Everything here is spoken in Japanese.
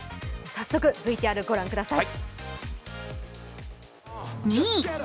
早速、ＶＴＲを御覧ください。